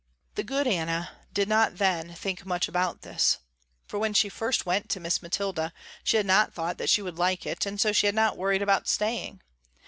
The good Anna did not then think much about this, for when she first went to Miss Mathilda she had not thought that she would like it and so she had not worried about staying.